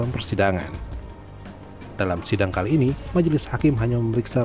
pengadilan negeri jakarta pusat